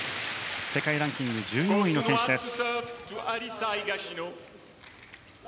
世界ランキング１４位の選手です。